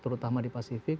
terutama di pasifik